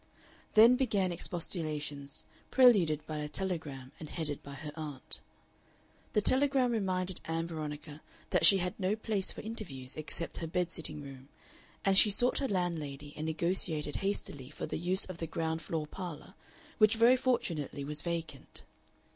Then began expostulations, preluded by a telegram and headed by her aunt. The telegram reminded Ann Veronica that she had no place for interviews except her bed sitting room, and she sought her landlady and negotiated hastily for the use of the ground floor parlor, which very fortunately was vacant.